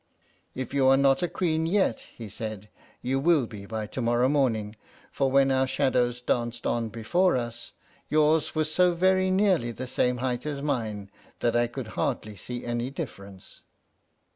"If you are not a queen yet," he said, "you will be by to morrow morning; for when our shadows danced on before us yours was so very nearly the same height as mine, that I could hardly see any difference."